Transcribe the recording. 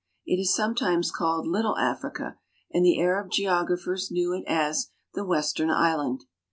It is sometimes called Little Africa, and the Arab geographers knew it as "The Western Island."